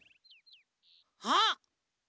あっ！